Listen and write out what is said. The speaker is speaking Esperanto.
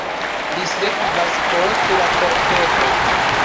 Li sekvas post la kortego.